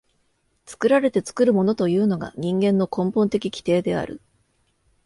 作られて作るものというのが人間の根本的規定である。